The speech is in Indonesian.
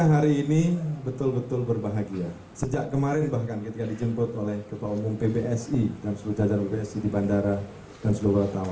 hari ini betul betul berbahagia sejak kemarin bahkan ketika dijemput oleh kepala umum pbsi dan sebuah jajaran pbsi di bandara dan sebuah kota